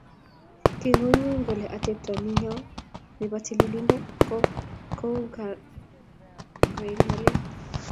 King'gung'uny kole atepto niyo ne bo tililndo ko kokung'etu koek nyalil